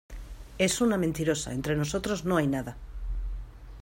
es una mentirosa. entre nosotros no hay nada .